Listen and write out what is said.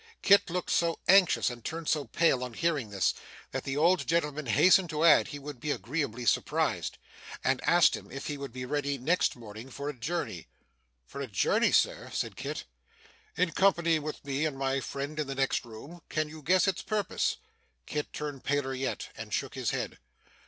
Kit looked so anxious and turned so pale on hearing this, that the old gentleman hastened to add, he would be agreeably surprised; and asked him if he would be ready next morning for a journey. 'For a journey, sir!' cried Kit. 'In company with me and my friend in the next room. Can you guess its purpose?' Kit turned paler yet, and shook his head.